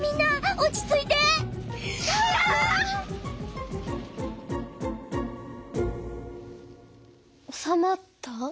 おさまった？